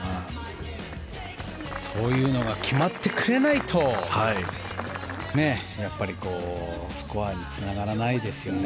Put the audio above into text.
そういうのが決まってくれないとやっぱりスコアにつながらないですよね。